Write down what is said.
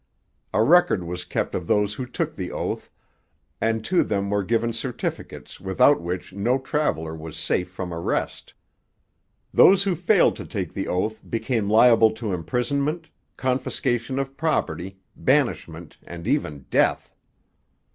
A record was kept of those who took the oath, and to them were given certificates without which no traveller was safe from arrest. Those who failed to take the oath became liable to imprisonment, confiscation of property, banishment, and even death.